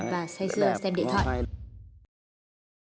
và say sưa xem điện thoại